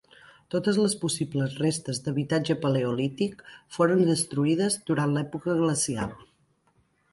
Totes les possibles restes d'habitatge paleolític foren destruïdes durant l'època glacial.